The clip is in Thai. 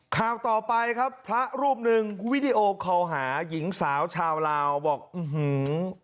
ข่าวต่อไปครับพระรูปหนึ่งวิดีโอคอลหาหญิงสาวชาวลาวบอกอื้อหือ